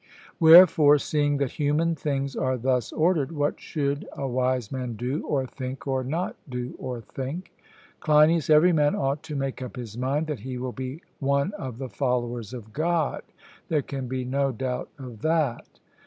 Wherefore, seeing that human things are thus ordered, what should a wise man do or think, or not do or think'? CLEINIAS: Every man ought to make up his mind that he will be one of the followers of God; there can be no doubt of that.